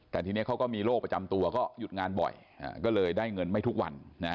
แต่ทีนี้เขาก็มีโรคประจำตัวก็หยุดงานบ่อยก็เลยได้เงินไม่ทุกวัน